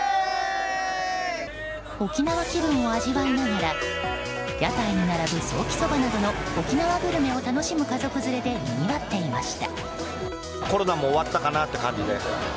沖縄気分を味わいながら屋台に並ぶソーキそばなどの沖縄グルメを楽しむ家族連れでにぎわっていました。